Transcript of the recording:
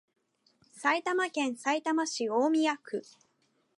埼玉県さいたま市大宮区